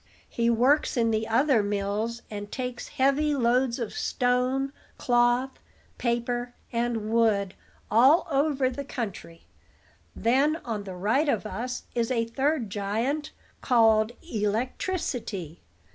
He works in the other mills, and takes heavy loads of stone, cloth, paper, and wood all over the country. Then, on the right of us is a third giant, called Electricity.